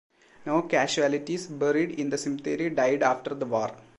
No casualties buried in the cemetery died after the war.